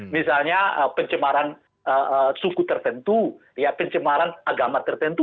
misalnya pencemaran suku tertentu pencemaran agama tertentu